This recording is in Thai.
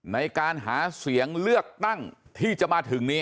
ในการหาเสียงเลือกตั้งที่จะมาถึงนี้